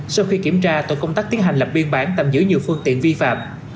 sau khi kiểm tra tội công tác tiến hành lập biên bản tạm giữ nhiều phương tiện vi phạm